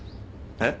えっ？